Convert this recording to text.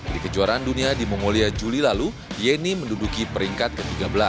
di kejuaraan dunia di mongolia juli lalu yeni menduduki peringkat ke tiga belas